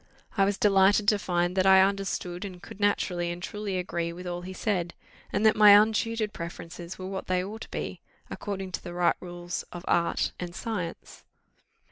I was delighted to find that I understood, and could naturally and truly agree with all he said, and that my untutored preferences were what they ought to be, according to the right rules of art and science.